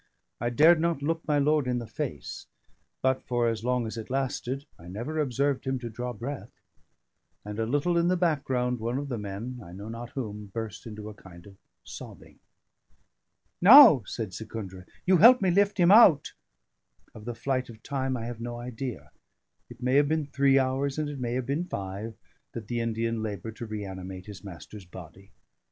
I dared not look my lord in the face; but for as long as it lasted, I never observed him to draw breath; and a little in the background one of the men (I know not whom) burst into a kind of sobbing. "Now," said Secundra, "you help me lift him out." Of the flight of time I have no idea; it may have been three hours, and it may have been five, that the Indian laboured to reanimate his master's body.